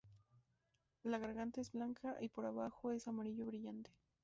La garganta es blanca y por abajo es amarillo brillante.